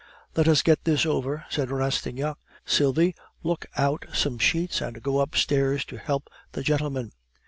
"Let us get this over," said Rastignac. "Sylvie, look out some sheets, and go upstairs to help the gentlemen."